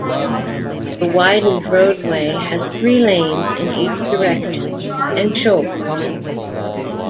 The widened roadway has three lanes in each direction and shoulders.